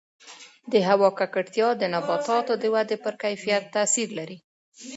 د هوا ککړتیا د نباتاتو د ودې پر کیفیت تاثیر لري.